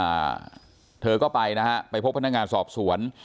อ่าเธอก็ไปนะฮะไปพบพนักงานสอบสวน